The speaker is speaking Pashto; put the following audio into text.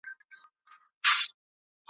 نه به ستا په کلي کي په کاڼو چا ویشتلی وي !.